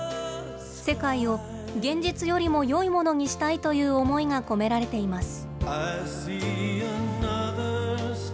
世界を現実よりもよいものにしたいという思いが込められています。